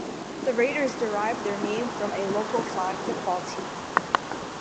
The Raiders derived their name from a local flag football team.